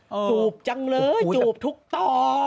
จูบจังเลยเจียบทุกตอน